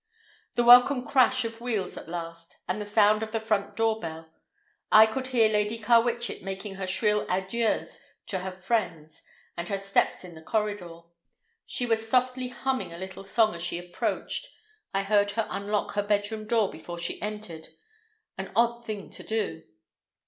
The welcome crash of wheels at last, and the sound of the front door bell. I could hear Lady Carwitchet making her shrill adieux to her friends and her steps in the corridor. She was softly humming a little song as she approached. I heard her unlock her bedroom door before she entered—an odd thing to do.